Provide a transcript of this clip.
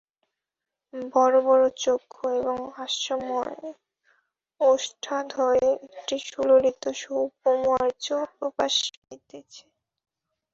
বড়ো বড়ো চক্ষু এবং হাস্যময় ওষ্ঠাধরে একটি সুললিত সৌকুমার্য প্রকাশ পাইতেছে।